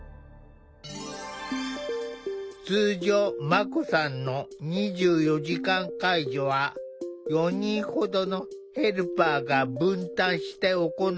通常まこさんの２４時間介助は４人ほどのヘルパーが分担して行っている。